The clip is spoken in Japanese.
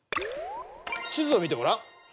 地図を見てごらん。